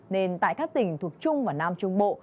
nên tại các tỉnh thuộc trung và nam trung bộ